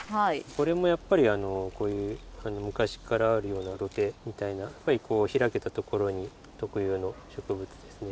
これもやっぱり昔からあるような土手みたいな開けた所に特有の植物ですね。